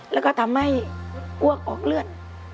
แล้วก็ทำให้อ้วกออกเลือด